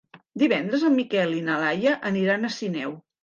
Divendres en Miquel i na Laia aniran a Sineu.